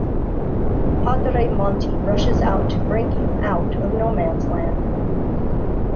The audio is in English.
Padre Monty rushes out to bring him out of No Man's Land.